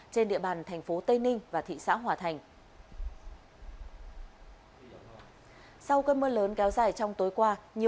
trên địa bàn tp tây ninh và thị xã hòa thành